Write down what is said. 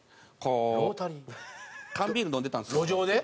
ロータリー？缶ビール飲んでたんですよ路上で。